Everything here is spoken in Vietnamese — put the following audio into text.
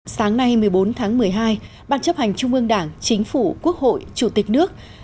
sáng nay một mươi bốn tháng một mươi hai ban chấp hành trung ương đảng chính phủ quốc hội chủ tịch nước